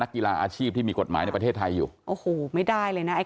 กีฬาอาชีพที่มีกฎหมายในประเทศไทยอยู่โอ้โหไม่ได้เลยนะไอ้